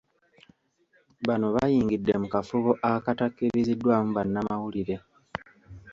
Bano bayingidde mu kafubo akatakkiriziddwamu bannamawulire.